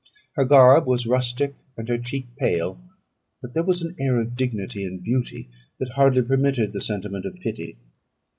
Her garb was rustic, and her cheek pale; but there was an air of dignity and beauty, that hardly permitted the sentiment of pity.